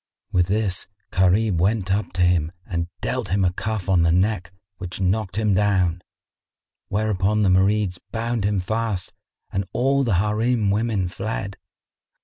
With this Gharib went up to him and dealt him a cuff on the neck which knocked him down; whereupon the Marids bound him fast and all the Harim women fled.